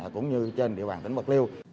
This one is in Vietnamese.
cũng như trên địa bàn tỉnh bạc liêu